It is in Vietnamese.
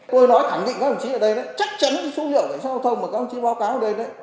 tôi nói thẳng định với ông chí ở đây chắc chắn số liệu giao thông mà các ông chí báo cáo ở đây